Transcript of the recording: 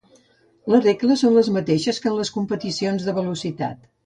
Les regles són les mateixes que en les competicions de velocitat.